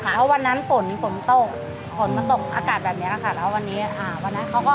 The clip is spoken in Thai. แล้วเขาก็ดูหน้าตามันแตกใช่ไหม